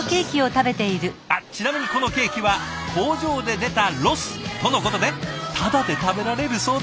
あっちなみにこのケーキは工場で出たロスとのことでタダで食べられるそうです。